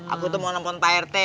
aku tuh mau telfon prt